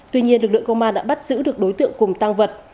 tuy nhiên lực lượng công an đã bắt giữ được đối tượng cùng tăng vật